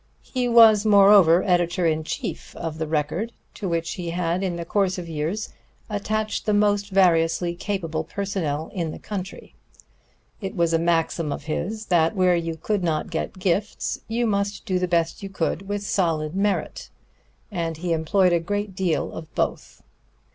He was moreover editor in chief of the Record, to which he had in the course of years attached the most variously capable personnel in the country. It was a maxim of his that where you could not get gifts, you must do the best you could with solid merit; and he employed a great deal of both.